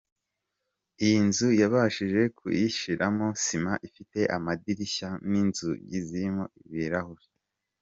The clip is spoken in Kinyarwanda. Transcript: Iyi nzu yabashije kuyishyiramo sima, ifite amadirishya n’inzugi zirimo ibirahuri.